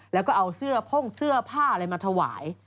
แล้วก็เอาเสื้อพ่งเสื้อผ้าอะไรมาถวาย